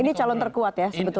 ini calon terkuat ya sebetulnya ya